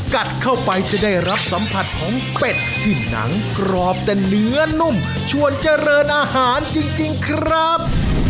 กัดเข้าไปจะได้รับสัมผัสของเป็ดที่หนังกรอบแต่เนื้อนุ่มชวนเจริญอาหารจริงครับ